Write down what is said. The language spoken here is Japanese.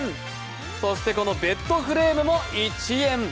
そしてこのベッドフレームも１円。